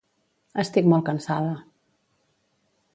Estic molt cansada